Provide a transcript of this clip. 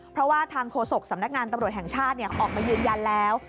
เพราะว่าทางโฆษกสำนักงานตำรวจแห่งชาติออกมายืนยันแล้ว